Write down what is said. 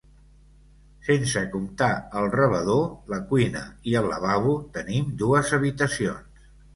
Sense comptar el rebedor, la cuina i el lavabo, tenim dues habitacions.